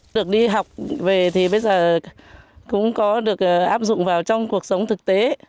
được đi học về thì bây giờ cũng có được áp dụng vào trong cuộc sống thực tế